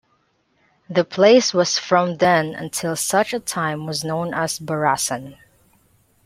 The place was from then until such a time was known as Barasan.